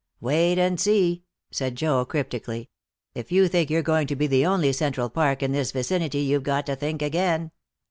"Wait and see," said Joe, cryptically. "If you think you're going to be the only Central Park in this vicinity you've got to think again."